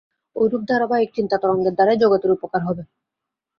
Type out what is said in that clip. ঐরূপ ধারাবাহিক চিন্তাতরঙ্গের দ্বারাই জগতের উপকার হবে।